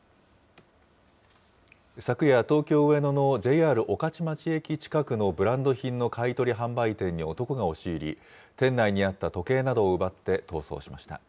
昨夜、東京・上野のＪＲ御徒町駅近くのブランド品の買い取り販売店に男が押し入り、店内にあった時計などを奪って逃走しました。